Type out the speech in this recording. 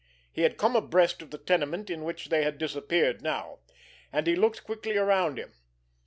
He had come abreast of the tenement in which they had disappeared now, and he looked quickly around him.